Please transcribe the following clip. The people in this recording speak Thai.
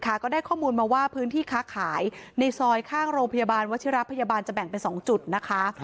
ก็ได้ข้อมูลมาว่าพื้นที่ค้าขายในซอยข้างโรงพยาบาลวัชิระพยาบาลจะแบ่งเป็น๒จุดนะคะ